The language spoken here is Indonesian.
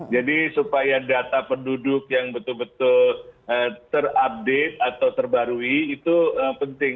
jadi supaya data penduduk yang betul betul terupdate atau terbarui itu penting